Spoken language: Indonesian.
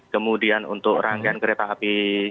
kemudian untuk rangkaian kereta api